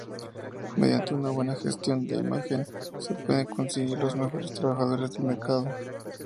Mediante una buena gestión de imagen se pueden conseguir los mejores trabajadores del mercado.